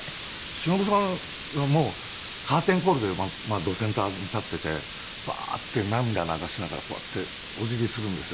しのぶさんがカーテンコールでどセンターに立っていてバーッて涙流しながらこうやってお辞儀するんですよ。